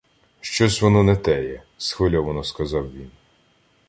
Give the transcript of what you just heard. — Щось воно не теє, — схвильовано сказав він.